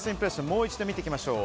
もう一度見ていきましょう。